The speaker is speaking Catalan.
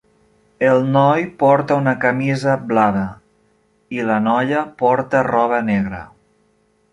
El noi porta una camisa blava, i la noia porta roba negra.